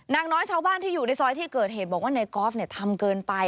นางน้อยชาวบ้านที่อยู่ในซอยที่เกิดเหตุบอกว่าในกอล์ฟทำเกินไป